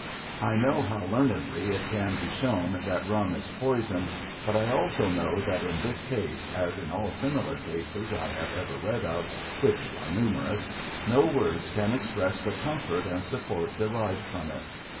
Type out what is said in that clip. I know how learnedly it can be shown that rum is poison, l)ut I also know that in this case, as in all similar cases I have ever rt ad of — which are numerous — no words can express the comfort and support derived from it.